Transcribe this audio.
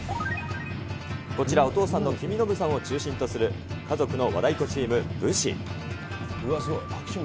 こちら、お父さんの公之武さんを中心とする家族の和太鼓チーム、武志。